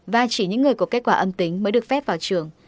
và chỉ những người có kết quả âm tính mới được phép vào trường